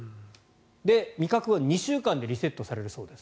味覚は２週間でリセットされるそうです。